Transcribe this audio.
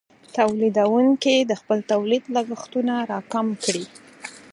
تولیدونکې د خپل تولید لګښتونه راکم کړي.